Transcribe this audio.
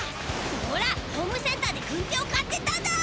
おらホームセンターでぐんてを買ってただ！